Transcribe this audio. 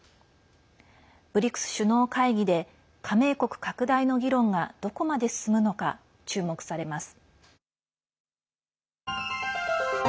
ＢＲＩＣＳ首脳会議で加盟国拡大の議論がどこまで進むのか注目されます。